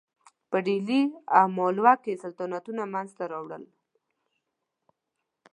په ډهلي او مالوه کې سلطنتونه منځته راوړل.